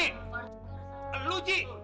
warga pengatau nih